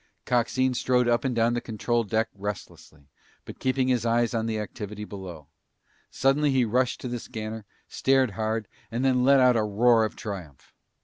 Coxine strode up and down the control deck restlessly, but keeping his eyes on the activity below. Suddenly he rushed to the scanner, stared hard, and then let out a roar of triumph.